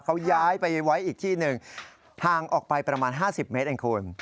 เขาย้ายไปไว้อีกที่หนึ่งห่างออกไปประมาณ๕๐เมตรเองคุณ